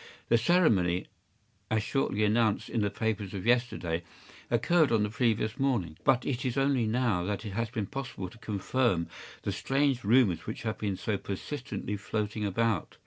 The ceremony, as shortly announced in the papers of yesterday, occurred on the previous morning; but it is only now that it has been possible to confirm the strange rumors which have been so persistently floating about.